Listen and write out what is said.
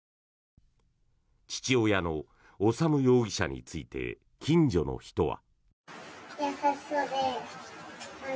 父親の修容疑者について近所の人は。